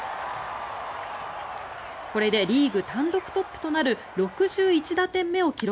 これでリーグ単独トップとなる６１打点目を記録。